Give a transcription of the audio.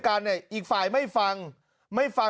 การนอนไม่จำเป็นต้องมีอะไรกัน